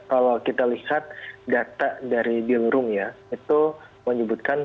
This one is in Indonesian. kalau kita lihat data dari billroom ya itu menyebutkan